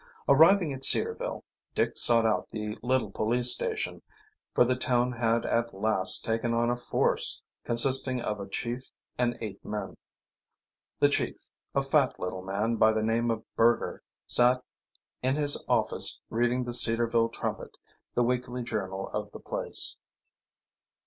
Arriving at Cedarville Dick sought out the little police station, for the town had at last taken on a force, consisting of a chief and eight men. The chief, a little fat man by the name of Burger, sat in his office reading the Cedarville Trumpet, the weekly journal of the place.